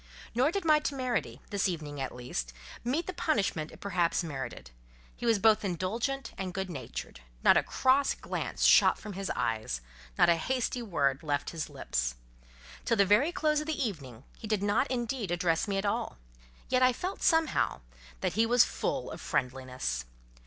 Nor did my temerity, this evening at least, meet the punishment it perhaps merited; he was both indulgent and good natured; not a cross glance shot from his eyes, not a hasty word left his lips. Till the very close of the evening, he did not indeed address me at all, yet I felt, somehow, that he was full of friendliness.